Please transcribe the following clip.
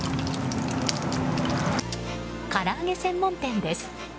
から揚げ専門店です。